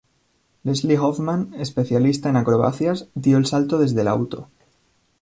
Leslie Hoffman, especialista en acrobacias, dio el salto desde el auto.